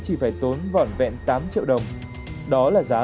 chính vì cái tình chặt hót của em anh đã làm cái gương mặt nó bị hồi hồi